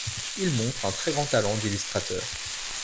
Il montre un très grand talent d’illustrateur.